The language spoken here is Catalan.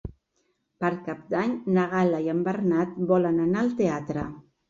Per Cap d'Any na Gal·la i en Bernat volen anar al teatre.